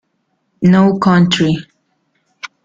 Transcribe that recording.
No country.